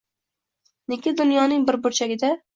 Nega dunyoning bir burchagida